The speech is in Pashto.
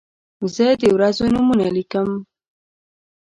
زه د ورځو نومونه لیکم.